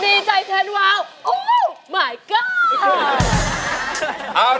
ดีใจแทนว้าวโอ้มายก็อด